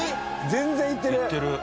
全然いってる！